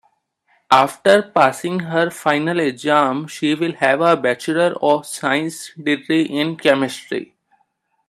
After passing her final exam she will have a bachelor of science degree in chemistry.